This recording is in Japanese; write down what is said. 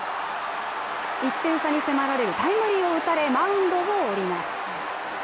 １点差に迫られるタイムリーを打たれマウンドを降ります。